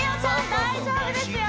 大丈夫ですよ